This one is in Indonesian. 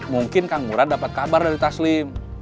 mungkin kang ngurah dapat kabar dari taslim